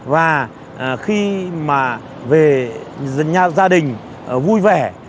và khi mà về nhà gia đình vui vẻ